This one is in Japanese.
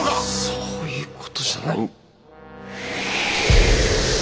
そういうことじゃない。